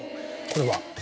これは？